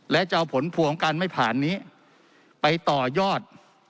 และจะเอาผลพวงของการไม่ผ่านนี้ไปต่อยอด